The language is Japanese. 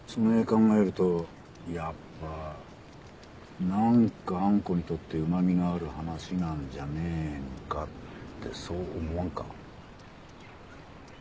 考えるとやっぱ何かあん子にとってうまみのある話なんじゃねえんかってそう思わんか？